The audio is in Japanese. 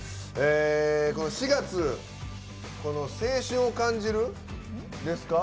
この４月青春を感じるですか。